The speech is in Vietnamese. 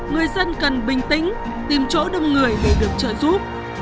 người dân cần bình tĩnh tìm chỗ đông người để được trợ giúp